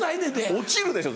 落ちるでしょ